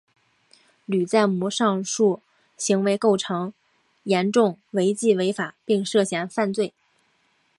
吕在模上述行为构成严重违纪违法并涉嫌犯罪。